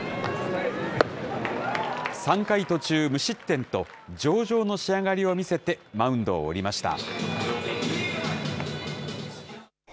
３回途中無失点と、上々の仕上がりを見せて、マウンドを降りました。